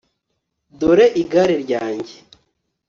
dore igare ryanjye